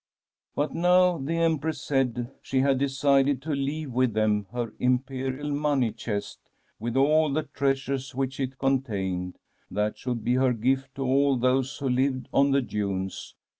*" But now the Empress said she had decided to leave with them her Imperial money chest, with all the treasures which it contained. That should be her gift to all those who lived on the dunes.